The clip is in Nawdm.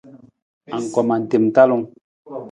Anggoma tem talung.